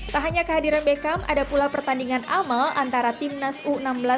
tak hanya kehadiran beckham ada pula pertandingan amal antara tim nasional